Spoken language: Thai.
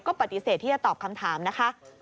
ก็ปฏิเสธที่จะตอบคำถามนะคะ